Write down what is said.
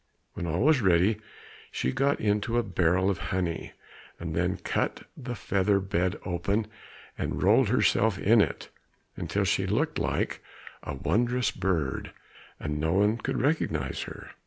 When all was ready, she got into a barrel of honey, and then cut the feather bed open and rolled herself in it, until she looked like a wondrous bird, and no one could recognize her.